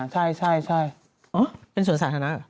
ใช่เป็นส่วนสาธารณะหรือ